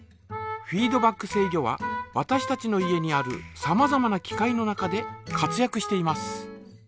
フィードバック制御はわたしたちの家にあるさまざまな機械の中で活やくしています。